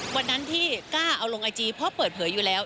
วันนั้นที่กล้าเอาลงไอจีเพราะเปิดเผยอยู่แล้ว